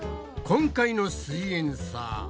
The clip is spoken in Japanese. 今回の「すイエんサー」